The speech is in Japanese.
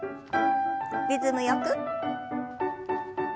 リズムよく。